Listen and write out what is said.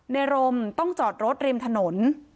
ในรมต้องจอดรถริมถนน